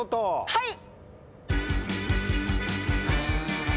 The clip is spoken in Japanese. はい！